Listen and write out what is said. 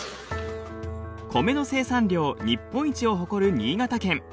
米の生産量日本一を誇る新潟県。